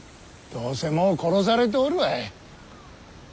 どうせもう殺されておるわい。